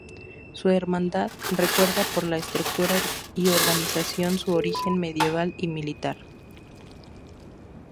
Su hermandad, recuerda por la estructura y organización su origen medieval y militar.